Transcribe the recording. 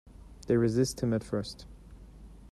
They resist him at first.